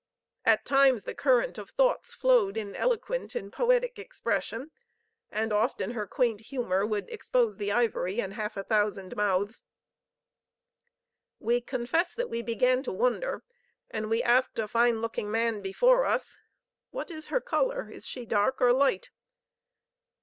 At times the current of thoughts flowed in eloquent and poetic expression, and often her quaint humor would expose the ivory in half a thousand mouths. We confess that we began to wonder, and we asked a fine looking man before us, "What is her color? Is she dark or light?"